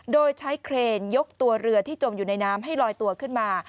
โดยใช้เครนยกตัวเรือที่จมอยู่ในน้ำให้ลอยตัวขึ้นมา